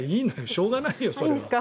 しょうがないよ、それは。